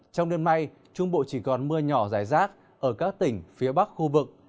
trong đêm mai trung bộ chỉ còn mưa nhỏ dài rác ở các tỉnh phía bắc khu vực